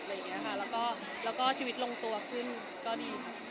แล้วก็ชีวิตลงตัวขึ้นก็ดีค่ะ